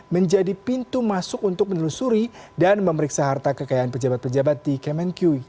menjadi pintu masuk untuk menelusuri dan memeriksa harta kekayaan pejabat pejabat di kemenkyu